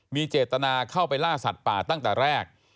มีเจตนาเข้าไปล่าสัตว์ป่าตั้งแต่แรก